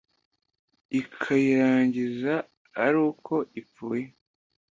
ikayirangiza ari uko ipfuye.